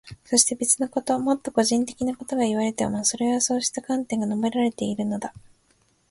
そして、別なこと、もっと個人的なことがいわれていても、それはそうした観点から述べられているのだ。